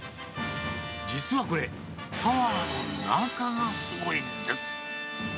実はこれ、タワーの中がすごいんです。